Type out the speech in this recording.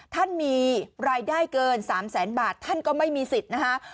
ท่านมีรายได้เกิน๓แสนบาทท่านก็ไม่มีสิทธิ์นะคะ